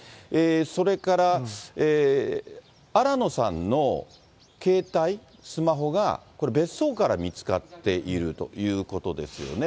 それから新野さんの携帯、スマホが別荘から見つかっているということですよね。